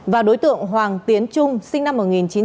và đối tượng hoàng tiến trung sinh năm một nghìn chín trăm tám mươi